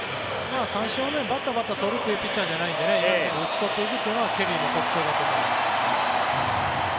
三振をバッタバッタ取るというピッチャーじゃないので打ち取っていくというのはケリーの特徴だと思います。